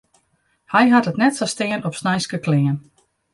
Hy hat it net sa stean op sneinske klean.